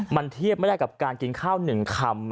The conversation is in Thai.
มันเทียบไม่ได้กับการกินข้าว๑คำ